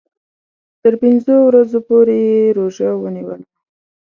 تر پنځو ورځو پوري یې روژه ونیوله.